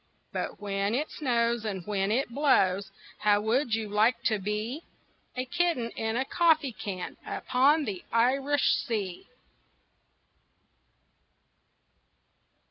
But when it snows and when it blows, How would you like to be A kitten in a coffee can Upon the Irish Sea?